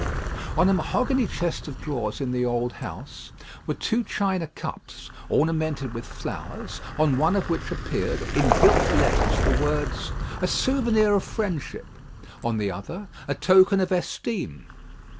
On a mahogany chest of drawers in the old house were two china cups, ornamented with flowers, on one of which appeared, in gilt letters, the words, "A souvenir of friendship;" on the other, "A token of esteem."